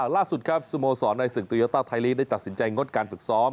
ล่าสุดครับสโมสรในศึกโตโยต้าไทยลีกได้ตัดสินใจงดการฝึกซ้อม